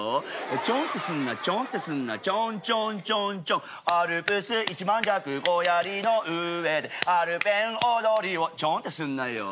ちょんってすんなちょんってすんなちょんちょんちょんちょんアルプス一万尺小槍の上でアルペン踊りをちょんってすんなよ